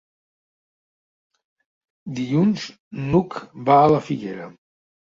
Dilluns n'Hug va a la Figuera.